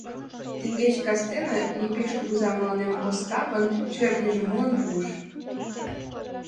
Теҥгече кастене Епиш кугыза мыланем Остапын шӧртньыжым муын пуыш.